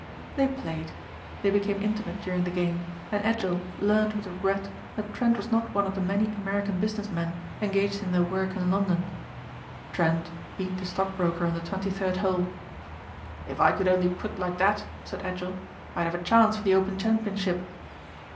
They played. They became intimate during the game and Edgell learned with regret that Trent was not one of the many American business men engaged in their work in London. Trent beat the stockbroker on the twenty third hole. "If I could only putt like that," said Edgell, "I'd have a chance for the open championship."